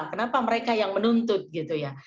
kenapa mereka yang menuntut gitu ya